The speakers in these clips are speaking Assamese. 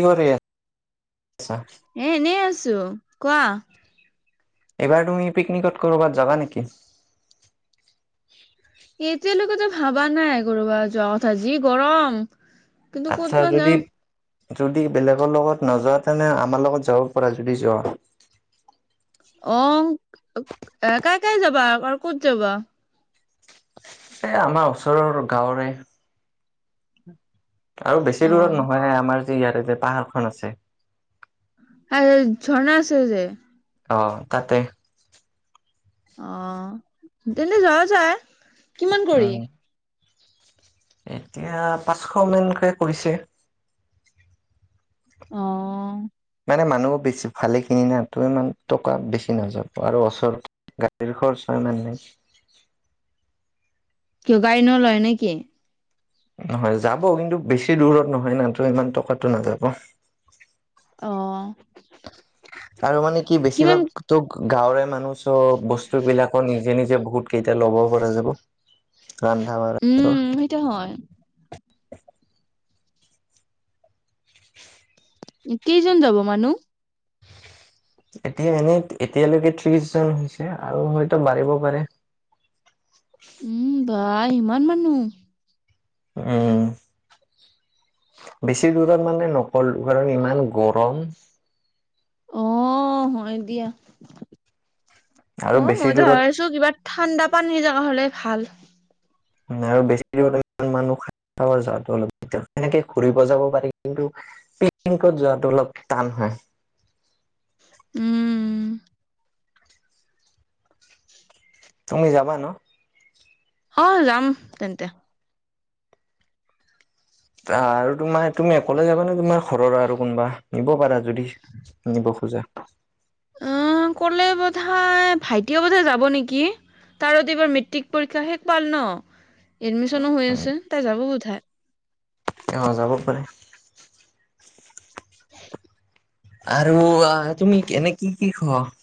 কি কৰে এহ এনে আ ছো কোৱা এইবাৰ তুমি পিকনিকত কৰবাত যাবা নেকি? এতিয়ালৈকেতো ভাবা নাই কৰবাত যোৱা কথা যি গৰম কিন্তু আচ্ছা ক'ত বা যদি যাওঁ যদি বেলেগৰ লগত নাযোৱা তেনে আমাৰ লগত যাব পৰা যদি যোৱা অহ কাক কিয় যাবা আৰু ক'ত যাবা এহ আমাৰ ওচৰৰ গাঁৱৰে আৰু বেছি অ দূৰত নহয় আমাৰ ইয়াৰে যে পাহাৰ খন আছে আৰু ঝৰ্ণা আছে যে? অহ তাতে। অহ তেন্তে যোৱা যায় কিমান কৰি উম। এতিয়া পাঁচশ মানকে কৰিছে অহ মানে মানুহো বেছি ভালে কিনি না তো ইমান টকা বেছি নাযাব আৰু ওচৰত গাড়ীৰ খৰচা ইমান নাই কিয় গাড়ী নলয় নেকি? নহয় যাব কিন্তু বেছি দূৰত নহয় নো ইমান টকাটো নাযাব অহ আৰু মানে কি বেছিভাগ তোক গাঁৱৰে মানুহ সব চঅ বস্তু বিলাকো নিজৰ নিজে নিজে বহুত কেইটা ল'ব পৰা যাব ৰন্ধা বঢ়া উম সেইটো হয় [unintelligible] কেইজন যাব মানুহ? এতিয়া এনেই এতিয়ালৈকে ত্ৰিশ জন হৈছে আৰু হয়তো বাঢ়িব পাৰে বাহ ইমান মানুহ উম বেছি দূৰত মানে নকললো কাৰণ ইমান গৰম অহ হয় দিয়া। আৰু অহ বেছি মই তো দূৰত ভাবিছোঁ কিবা ঠাণ্ডা পানী জগা হ'লে ভাল আৰু বেছি মানুহ খাব যোৱাটো অলপ সেনেকে ঘুৰিব যাব পাৰি কিন্তু পিকনিঅত যোৱাটো অলপ টান হয়। উম তুমি যাবা ন? অহ যাম তেন্তে আৰু তোমাৰ তুমি অকলে যাবানে তোমাৰ ঘৰৰ আৰু কোনোবা নিব পাৰা যদি নিব খোজা অহ ক'লে বোধাই ভাইটি বোধাই যাব নেকি তাৰ এইবাৰ মেট্ৰিক পৰীক্ষা শেষ পাল ন এডমিচনো হৈ আছে তাই যাব বোধাই এ যাব পাৰে। আৰু তুমি এনে কি- কি খৱ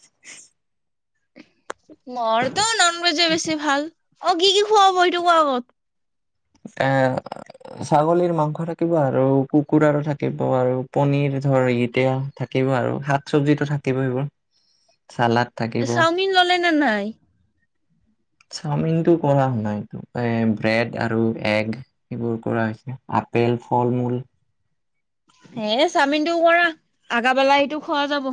মৰটো নন ভেজে বেছি ভাল। অহ ', কি - কি খুৱাব এইটো কোৱা আগত। এ ছাগলীৰ মাংস থাকিব আৰু কুকুৰাৰো থাকিব আৰু পনিৰ ধৰ এতিয়া থাকিব আৰু শাক চবজিতো থাকিব এইবোৰ। চালাড থাকিব চাওমিন ললে নে নাই। চাওমিনটো কৰা নাই এইটো এহ ব্ৰেড আৰু এগ এইবোৰ কৰা হৈছে আপেল ফল মূল। এ চাওমিনটোও মৰা আগাবেলা সটো খোৱা যাব।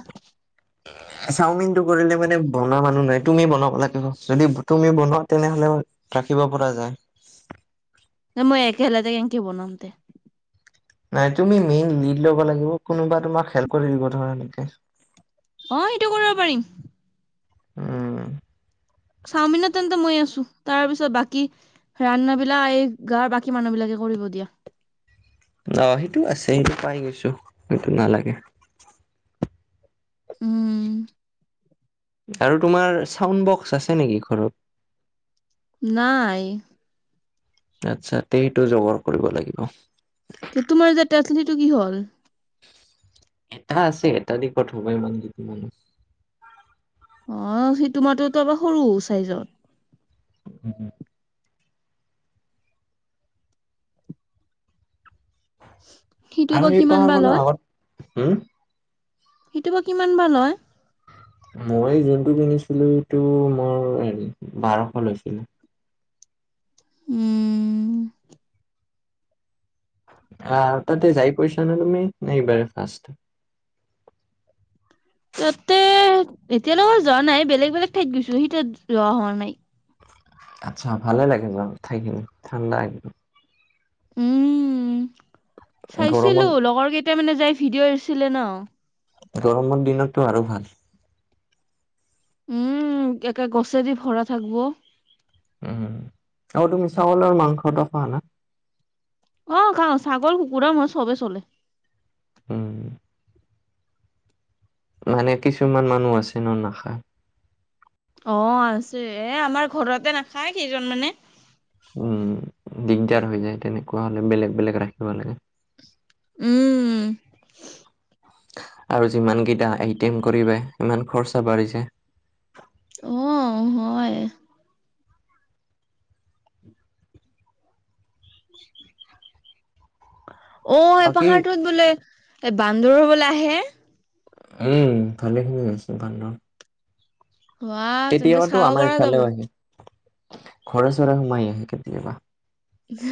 চাওমিনটো কৰিলে মানে বন মানুহ নাই তুমি বনাব লাগিব যদি তুমি বনোৱা তেনেহলে ৰাখিব পৰা যায়। ন মই একেলাতে কেকে বনামতে। নাই তুমি মেইন লিড ল'ব লাগিব কোনোবা তোমাক খেল কৰি দিব ধৰা এনেকে। অহ ', সেইটো কৰিব পাৰিম। উম', চাওমিনত তেন্তে ময়ে আছো তাৰপিছত বাকী ৰান্নাবিলাক এই গাঁৱৰ বাকী মানুহ বিলাকে কৰিব দিয়া। অহ ', সেইটো আছে সেইটো পাই গৈছো সেইটো নালাগে। উম', আৰু তোমাৰ চাউণ্ড বক্স আছে নেকি ঘৰত। নাই। আচ্ছা সেইটো জগৰ কৰিব লাগিব। তোমাৰ যে সিটো কি হল? এটা আছে এটা দিশত হবই ইমান কেইটা মানুহ অহ ', সিটোমাৰোতো আাৰ সৰু চাইজত। উম - উম [inaudible] সিটো আৰু বা সেই কিমান বাল পাহাৰখনৰ লৈ আগত হম', সেইটো বা কিমান বাৰ লয়? মই যোনটো কিনিছিলো এইটো মোৰ হে বাৰশ লৈছিলে। উম', আহ তাতে যাই পাইছা নে তুমি এইবাৰ ফাৰ্ষট। তাতে এতিয়ালৈকে যোৱা নাই বেলেগ - বেলেগ ঠাইত গৈছোহি ত যোৱা হোৱা নাই। আচ্ছা ভালে লাগে জ ঠাইখিনি ঠাণ্ডা একদম। উম', গৰমত চাইছিলো লগৰ কেইটা। মানে যাই ভিডিঅ' এৰিছিলে ন। গৰমৰ দিনতটো আৰু ভাল। উম ', একে গছেদি ভৰা থাকিব। উম ', আৰু তুমি চাউলৰ মাংসটো খোৱা না? অহ ', খাওঁ ছাগল কুকুৰা ম চবেই চলে। উম ', মানে কিছুমান মানুহ আছে ন নখা। অহ ', আছে এ আমাৰ ঘৰতে নাখায় কেইজন মানে। উম ', দিগদাৰ হৈ যায় তেনেকুৱা হলে বেলেগ বেলেগ ৰাখিব লাগে। উম', আৰু যিমান কেইটা এটি এম কৰিব সিমান খৰচা বাঢ়ি যায়। অ হয় [unintelligible] অ এই বাকী পাহাৰটোত বোলে এ বান্দৰ বোলে আহে উম ভালেখিনি আছে বান্দৰ অঁ তেন্তে কেতিয়াবাতো চাব আমাৰ পৰা যাব ইফালেও আহে ঘৰে চৰে সোমাই আহে কেতিয়াবা হি হি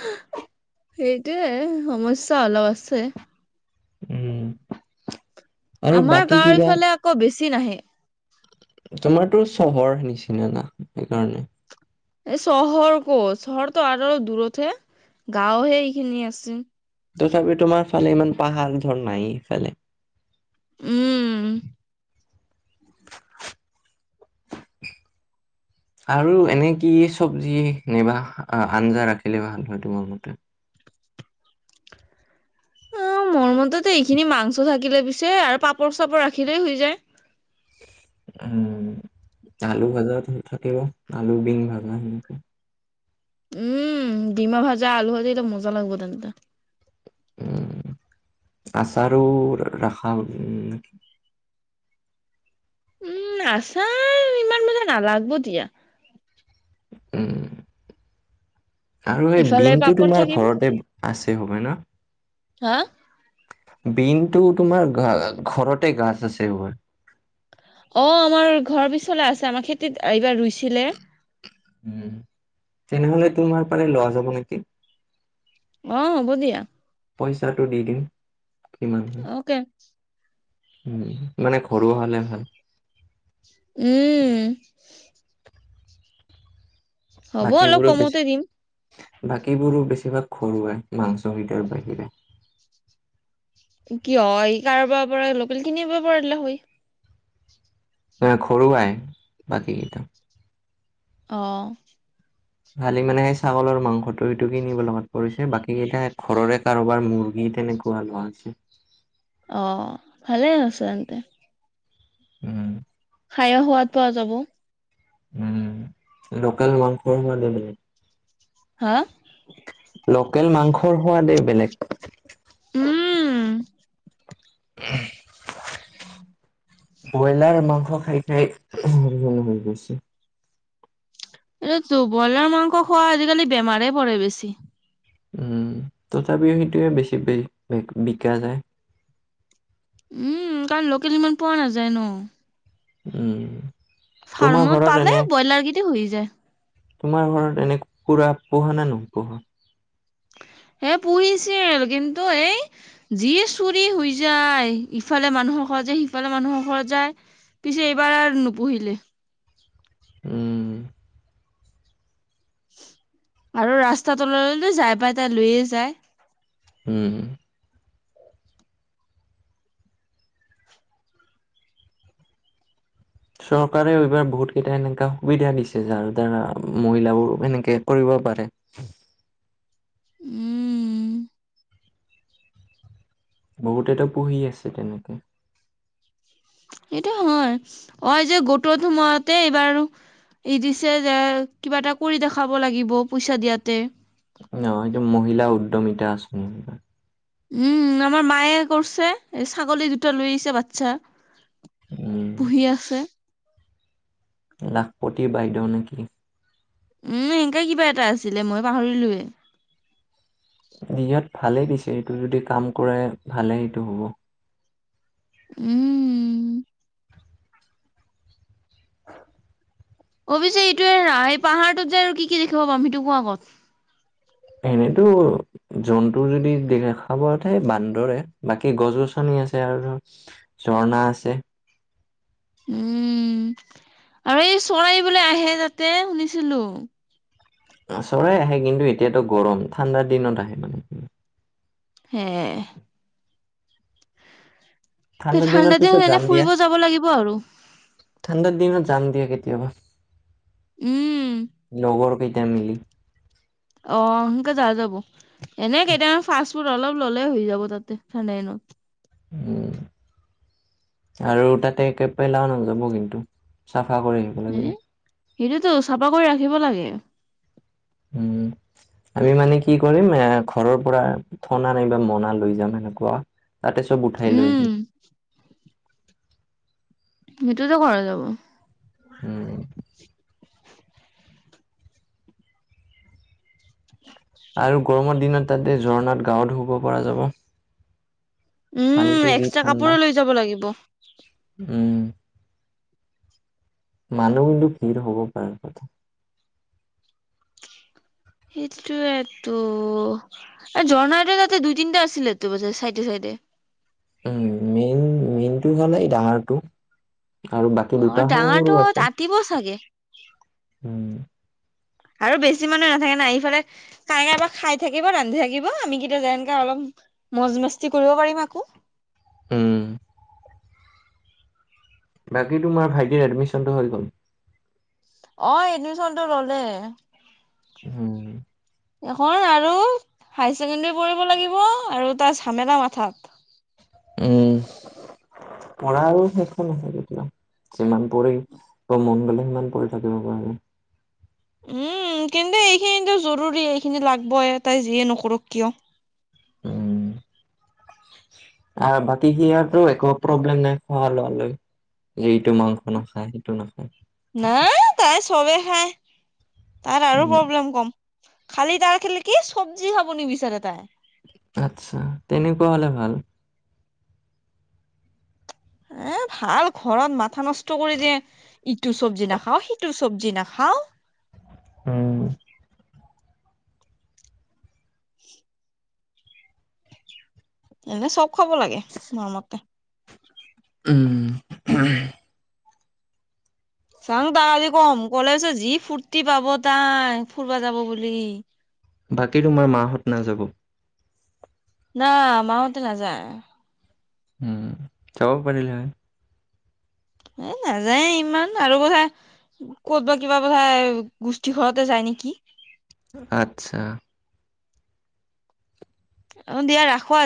হিক সেইটোৱে সমস্যা অলপ আছে উম আৰু আমাৰ বাকী কিবা গাঁৱৰফালে আকৌ বেছি নাহে তোমাৰতো চহৰ নিচিনা না সেইকাৰণে এই চহৰ ক' চহৰটো আৰু দূৰতহে গাঁৱৰহে এইখিনি আছে তথাপি তোমাৰ ফালে ইমান পাহাৰ ধৰ নাই সিফালে উম আৰু এনে কি চবজি নাইবা আঞ্জা ৰাখিলে ভাল হয় তোমাৰ মতে অ মোৰ মতেতো এইখিনি মাংস থাকিলে পিছে আৰু পাপৰ চাপৰ ৰাখিলেই হৈ যায় উম আলু ভাজা থাকিব আলু বিন ভাজা সেনেকে উম ডিমা ভাজা আলু ভাজি টো মজা লাগিব তেন্তে উম আচাৰো ৰখা উম উম আছাৰ ইমান মানে নালাগব দিয়া উম আৰু সেই ইফালে বিনটো পাপৰ তোমাৰ থাকিব ঘৰতে আছে হব ন হা বিনতটো তোমাৰ ঘ ঘৰতে গাছ আছে এইবোৰ অ আমাৰ ঘৰৰ পিছলৈ আছে আমাৰ খেতিত এইবাৰ ৰুইছিলে উম তেনেহলে তোমাৰ পাৰে লোৱা যাব নেকি অঁ হ'ব দিয়া পইচাটো দি দিম কিমান হয় অকে উম মানে ঘৰুৱা হ'লে ভাল উম হ'ব অলপ বাকীবোৰো বেছি কমতে দিম বাকীবোৰো বেছিভাগ ঘৰুৱাই মাংসকেইটাৰ বাহিৰে কি হয় কাৰোবাৰ পৰা লোকেল খিনিব পৰিলে হয় তমাৰ খৰুৱাই বাকী কেইটা অঁ খালি মানে সেই ছাগলৰ মাংসটো সেইটো কিনিব লগাত পৰিছে বাকী কেইটা ঘৰৰে কাৰোবাৰ মুৰ্গী তেনেকুৱা লোৱা হৈছে অ ভালে হৈছে তেন্ত উম খাইয়ো সোৱাদ পোৱা যাব উম লোকেল মাংস মানে হা লোকেল মাংসৰ সোৱাদেই বেলেগ উম উম ব্ৰইলাৰ মাংস খাই [unintelligible] হৈ গৈছে এইটো বইলাৰ মাংস খোৱা আজিকালি বেমাৰে পৰে বেছি উম তথাপিও সেইটোৱে বেছি বিকা যায়। উম কাৰণ লোকেল ইমান পোৱা নাযায় ন। উম। তোমাৰ ফাৰ্মত ঘৰত পালে এনে, ব্ৰইলাৰ কেইটা হৈ যায় তোমাৰ ঘৰত এনে কুকুৰা পোহা না নপোহা? হে পুহিছিল কিন্তু এই যি চুৰি হৈ যায় ইফালে মানুহৰ ঘৰত যায় সিফালে মানুহৰ ঘৰত যায় পিছে এইবাৰ আৰু নুপুহিলে। উম আৰু ৰাস্তা ওলালে যাই পাই তাই লৈয়ে যায় উম চৰকাৰে এইবাৰ বহুত কেইটা এনেকা সুবিধা দিছে যাৰ দ্বাৰা মহিলাবোৰ এনেকে কৰিব পাৰে। উম। বহুতেতো পুহী আছে। এইটো হয়, হয় যে গোটৰ সময়তে এইবাৰ ই দিছে যে কিবা এটা কৰি দেখাব লাগিব পইচা দিয়াতে নহয় এইটো মহিলা উদ্যমিতা আঁচনি। উম আমাৰ মায়ে কৰিছে ছাগলী দুটা লৈ আহিছে বাচ্ছা। উম পুহি আছে। লাখপতি বাইদেউ নেকি। উম এনেকে কিবা এটা আছিলে মই পাহৰিলোৱে। [unintelligible] ভালেই দিছে এইটো যদি কাম কৰে ভালে সেইটো হ'ব। উম অৱশ্যে ইটোৱে এই পাহাৰটোত যাই আৰু কি কি দেখিব পাম সিটো কোৱা আগত। এনেতো জন্তু যদি দেখা পোৱা তে বান্দৰে বাকী গছ গছনি আছে আৰু ঝৰ্ণা আছে। উম আৰু এই চৰাই বোলে আহে তাতে শুনিছিলো। চৰাই আহে কিন্তু এতিয়াতো গৰম ঠাণ্ডাৰ দিনত আহে মানে হে তই ঠাণ্ডাৰ দিনত ঠাণ্ডা দিন পিছত এনে যাম দিয়া ফুৰিব যাব লাগিব আৰু ঠাণ্ডাৰ দিনত যাম দিয়া কেতিয়াবা উম টা মিলি অ সোনকে যোৱা যাব এনে কেইটামান ফাষ্ট ফুড অলপ ল'লে হৈ যাব তাতে ঠাণ্ডা দিনত উম আৰু তাতে একে পেলাও নাযাব কিন্তু চাফ চাফা কৰি আহিব হে লাগিব সেইটোতো চাফা কৰি ৰাখিব লাগে। উম আমি মানে কি কৰিম এ ঘৰৰ পৰা থনা নাইবা মনা লৈ যাম সেনেকুৱা। তাতে চব উঠাই লৈ উম আহিল সেইটোতো কৰা যাব উম [inaudible] আৰু গৰমৰ দিনত তাতে ঝৰ্ণাত গাঁৱত ধুব পৰা যাব উম পানীটো যি এক্সট্ৰা ঠাণ্ডা। কাপোৰে লৈ যাব লাগিব মানহ কিন্দু ভিৰ হব পাৰ কথা সেইটোটো ঝৰ্ণাৰটো তাতে দুই তিনিটা আছিল ত ব চাইডে চাইডে উম মেইন মেইনটো হলে এই ডাঙৰটো আৰু অ বাকী দুটা স সৰু আছে উ উম আৰু বেছি মানুহ নাথাকে না আহিফালে কাইব খাই থাকিব ৰান্ধি থাকিব আমি কেতিয়া যে এনকে অলপ মজমস্তি কৰিব পাৰিম আকৌ হম বাকী তোমাৰ ভাইটিৰ এডমিনটো হৈ গ'ল অ এডমিচনটো ললে উম এখন আৰু হাই ছেকেণ্ডৰী পঢ়িব লাগিব আৰু তাৰ ঝামেলা মাথাত উম পঢ়া আৰু শেষ আছে কেতিয়া যিমান পঢ়ি বা মন গলে সিমান পঢ়ি থাকিব পাৰে উম কিন্তু এইখিনিতো জৰুৰী এইখিনি লাগবই তাই যিয়ে নকৰক কিয় উম আৰু বাকী সেয়াতটো একো প্ৰব্লেম নাই খোৱা লোৱ লৈ যটো মাংস নাখায় সেইটো নাখ ন তাই চবে খ তাত আৰু উম প্ৰব্লেম কম খালি তাৰ খেলে কি চব্জি খাব নিবিচাৰে তাই আত্ছা তেনেকুৱা হলে ভাল এ ভাল ঘৰত মাথা নষ্ট কৰি যে ইটো চব্জি নাখাও সিটো চব্জি নাখাও উম [inaudible] এ চ খাব লাগে মৰমতে উম চাং তাই আজি কম কলে পিছত যি ফূুৰ্তি পাব তাই ফুুৰব যাব বুলি বাকী তোমাৰ মাহঁত নাযাব ন মাওতে নাযায় উম যাব পাৰেিল হে এ নাযায়ে ইমান আৰু কথা ক'ত বা কিবা কথা গোষ্ঠী খতে যাই নেকি আচ্ছা অ দিয়া ৰাখো আ